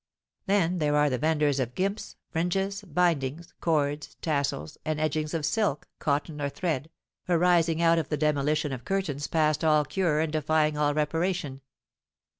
Then there are the vendors of gimps, fringes, bindings, cords, tassels, and edgings of silk, cotton, or thread, arising out of the demolition of curtains past all cure and defying all reparation.